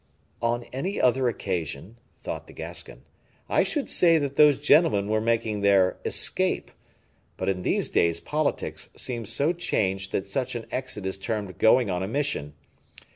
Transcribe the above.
"On any other occasion," thought the Gascon, "I should say that those gentlemen were making their escape; but in these days politics seem so changed that such an exit is termed going on a mission.